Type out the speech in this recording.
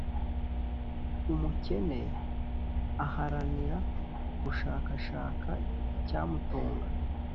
Umukene aharanira gushakashaka icyamutunga,